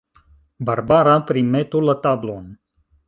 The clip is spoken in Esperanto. Barbara, primetu la tablon.